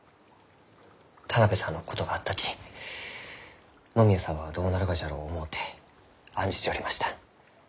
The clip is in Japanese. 田邊さんのことがあったき野宮さんはどうなるがじゃろう思うて案じちょりました。